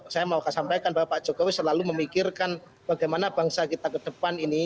saya mau sampaikan bahwa pak jokowi selalu memikirkan bagaimana bangsa kita ke depan ini